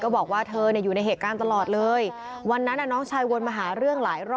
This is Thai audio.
ต่อว่าเธออยู่ในเหตุการณ์ตลอดเลย